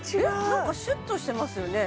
何かシュッとしてますよね？